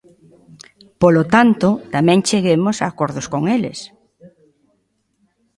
Polo tanto, tamén cheguemos a acordos con eles.